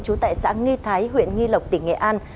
điều chú tại xã nghi thái huyện nghi lộc tỉnh nghệ an